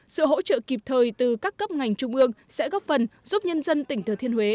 sự hỗ trợ kịp thời từ các cấp ngành trung ương sẽ góp phần giúp nhân dân tỉnh thừa thiên huế